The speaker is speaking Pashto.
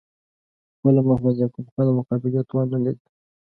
خپله محمد یعقوب خان د مقابلې توان نه لید.